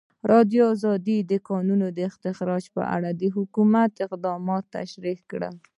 ازادي راډیو د د کانونو استخراج په اړه د حکومت اقدامات تشریح کړي.